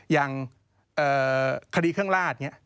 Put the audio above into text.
อย่างคดีเครื่องราช